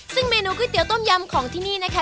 ซึ่งเมนูต้มยำของที่นี่นะคะ